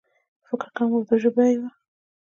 فکر کوم اردو ژبۍ و.